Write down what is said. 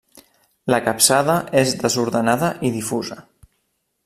La capçada és desordenada i difusa.